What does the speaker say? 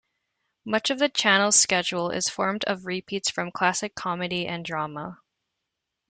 Much of the channels schedule is formed of repeats from classic comedy and drama.